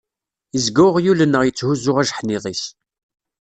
Yezga uɣyul-nneɣ itthuzzu ajeḥniḍ-is.